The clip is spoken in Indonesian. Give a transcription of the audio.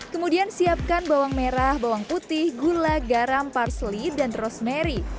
kemudian siapkan bawang merah bawang putih gula garam parsley dan rosemary